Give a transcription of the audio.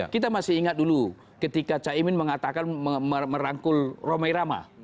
kita masih ingat dulu ketika pak cak imin mengatakan merangkul romai rama